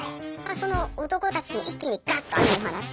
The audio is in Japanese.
その男たちに一気にガッと網を放って。